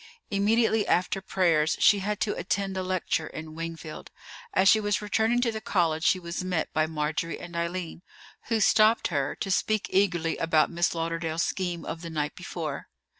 Immediately after prayers she had to attend a lecture in Wingfield. As she was returning to the college she was met by Marjorie and Eileen, who stopped her, to speak eagerly about Miss Lauderdale's scheme of the night before.